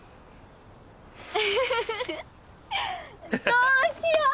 どうしよう！